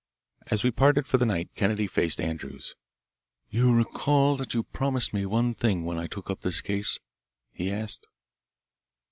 As we parted for the night Kennedy faced Andrews. "You recall that you promised me one thing when I took up this case?" he asked.